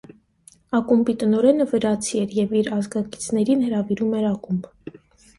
Ակումբի տնօրենը վրացի էր և իր ազգակիցներին հրավիրում էր ակումբ։